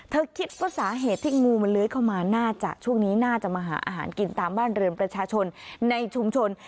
คิดว่าสาเหตุที่งูมันเลื้อยเข้ามาน่าจะช่วงนี้น่าจะมาหาอาหารกินตามบ้านเรือนประชาชนในชุมชน